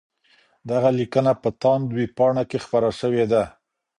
دغه لیکنه په تاند ویبپاڼه کي خپره سوې ده.